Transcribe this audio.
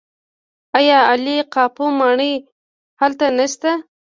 آیا عالي قاپو ماڼۍ هلته نشته؟